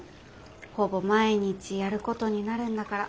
ほぼ毎日やることになるんだから。